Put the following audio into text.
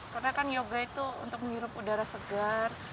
karena kan yoga itu untuk menyuruh udara segar